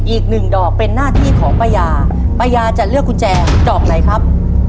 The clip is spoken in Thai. อีกหนึ่งดอกเป็นหน้าที่ของป้ายาป้ายาจะเลือกกุญแจดอกไหนครับ